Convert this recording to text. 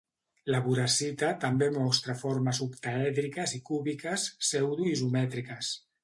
La boracita també mostra formes octaèdriques i cúbiques pseudo-isomètriques.